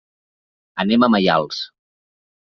Anem a Maials.